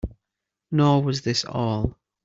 Nor was this all.